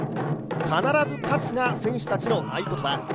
必ず勝つが選手たちの合い言葉。